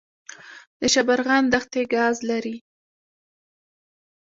د شبرغان دښتې ګاز لري